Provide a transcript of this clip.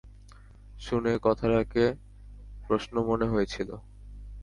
শুনে কথাটাকে প্রশ্ন মনে হয়েছিল।